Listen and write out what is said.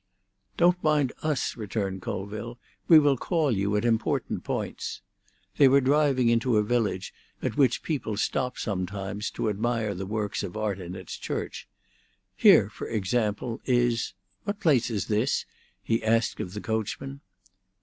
"Don't mind us," returned Colville. "We will call you at important points." They were driving into a village at which people stop sometimes to admire the works of art in its church. "Here, for example, is—What place is this?" he asked of the coachman.